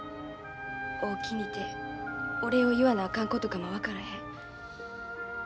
おおきにてお礼を言わなあかんことかも分からへん。